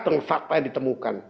dengan fakta yang ditemukan